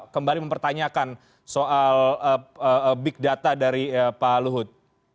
kembali mempertanyakan soal big data dari pak luhut